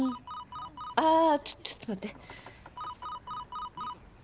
ああちょっと待って。